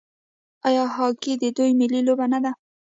آیا هاکي د دوی ملي لوبه نه ده؟